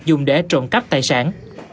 dùng để trộn cắp tài sản